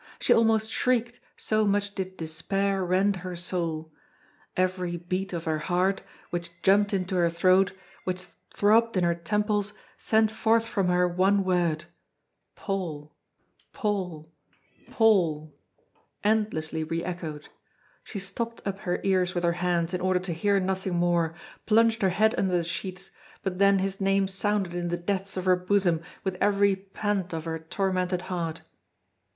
She almost shrieked, so much did despair rend her soul. Every beat of her heart, which jumped into her throat, which throbbed in her temples, sent forth from her one word "Paul Paul Paul" endlessly re echoed. She stopped up her ears with her hands in order to hear nothing more, plunged her head under the sheets; but then his name sounded in the depths of her bosom with every pant of her tormented heart.